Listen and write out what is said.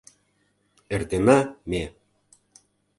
Эртена ме;